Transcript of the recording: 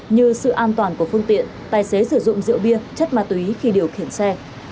như sự an toàn của phương tiện tài xế sử dụng rượu bia chất ma túy khi điều khiển xe